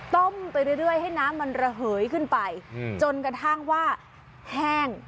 ไปเรื่อยให้น้ำมันระเหยขึ้นไปจนกระทั่งว่าแห้ง